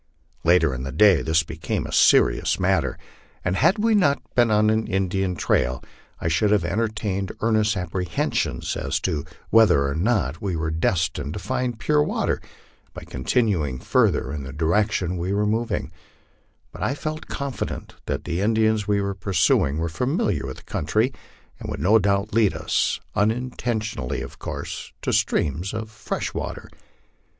Later in the day this became a serious matter, and had we not been on an Indian trail,! should have entertained earnest apprehensions as to whether or not we were destined to find pure water by continuing further in the direction we were then moving ; but I felt confident that the Indians we were pursu ing were familiar with the country, and would no doubt lead us, unintention ally of course, to streams of fresh water.